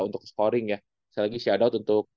untuk scoring ya sekali lagi shout out untuk